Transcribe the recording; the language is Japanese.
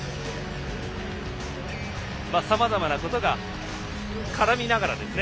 さまざまなことが絡みながらですね。